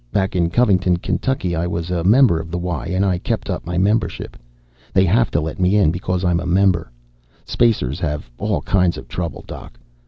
"Back in Covington, Kentucky, I was a member of the Y and I kept up my membership. They have to let me in because I'm a member. Spacers have all kinds of trouble, Doc.